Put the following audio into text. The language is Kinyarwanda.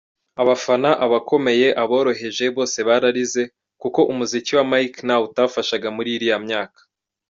Abafana, abakomeye, aboroheje, bose bararize, kuko umuziki wa Mike ntawe utafashaga muri iriya myaka.